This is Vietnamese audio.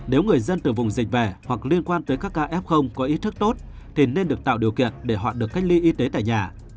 dùng dịch về hoặc liên quan tới các ca f có ý thức tốt thì nên được tạo điều kiện để họ được cách ly y tế tại nhà